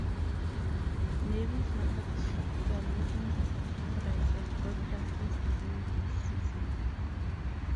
Navy snapped their losing streak and got their first win this season.